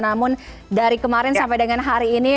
namun dari kemarin sampai dengan hari ini